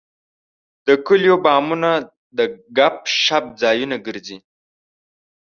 د کلیو بامونه د ګپ شپ ځایونه ګرځي.